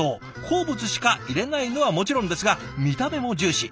好物しか入れないのはもちろんですが見た目も重視。